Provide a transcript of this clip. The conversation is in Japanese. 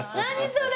それ！